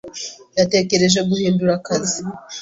yatekereje guhindura akazi.